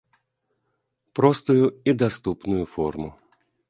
Простую і даступную форму.